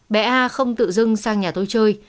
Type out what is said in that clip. bé a không tự dưng sang nhà tôi chơi